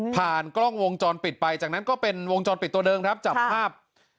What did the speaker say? กล้องวงจรปิดไปจากนั้นก็เป็นวงจรปิดตัวเดิมครับจับภาพ